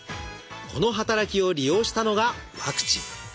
この働きを利用したのがワクチン。